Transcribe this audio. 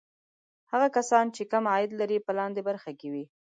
هغه کسان چې کم عاید لري په لاندې برخه کې وي.